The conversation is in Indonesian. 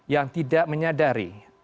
yang tidak menyadari